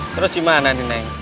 terus gimana nih neng